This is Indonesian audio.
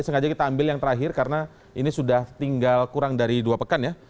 sengaja kita ambil yang terakhir karena ini sudah tinggal kurang dari dua pekan ya